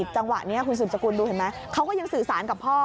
จังหวะนี้คุณสืบสกุลดูเห็นไหมเขาก็ยังสื่อสารกับพ่อ